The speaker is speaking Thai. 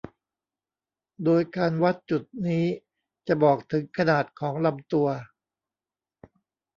โดยการวัดจุดนี้จะบอกถึงขนาดของลำตัว